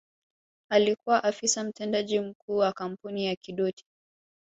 Alikuwa Afisa Mtendaji Mkuu wa kampuni ya Kidoti